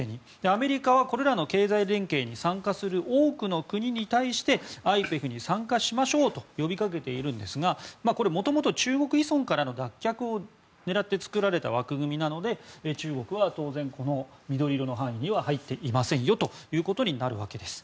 アメリカはこれらの経済連携に参加する多くの国に対してＩＰＥＦに参加しましょうと呼びかけているんですがもともと中国依存からの脱却を狙って作られた枠組みなので中国は当然、緑色の範囲には入っていませんよということになるわけです。